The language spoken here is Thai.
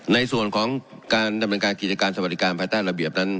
ในส่วนของการดำเนินการกิจการสวัสดิการภายใต้ระเบียบนั้น